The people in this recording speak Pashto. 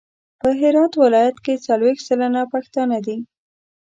په هرات ولایت کې څلویښت سلنه پښتانه دي.